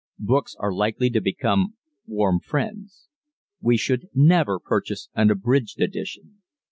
Books are likely to become warm friends. We should never purchase an abridged edition.